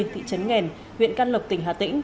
thị trấn nghèn huyện can lộc tỉnh hà tĩnh